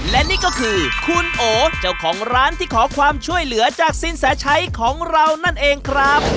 และนี่ก็คือคุณโอเจ้าของร้านที่ขอความช่วยเหลือจากสินแสชัยของเรานั่นเองครับ